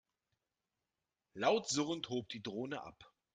Laut surrend hob die Drohne ab.